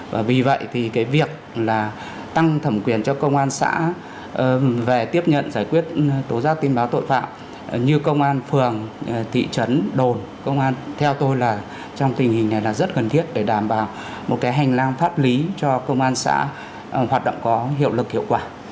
và vì vậy thì cái việc là tăng thẩm quyền cho công an xã về tiếp nhận giải quyết tố giác tin báo tội phạm như công an phường thị trấn đồn công an theo tôi là trong tình hình này là rất cần thiết để đảm bảo một cái hành lang pháp lý cho công an xã hoạt động có hiệu lực hiệu quả